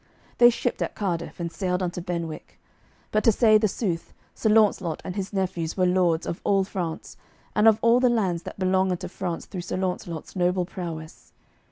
They shipped at Cardiff, and sailed unto Benwick. But to say the sooth, Sir Launcelot and his nephews were lords of all France, and of all the lands that belong unto France through Sir Launcelot's noble prowess.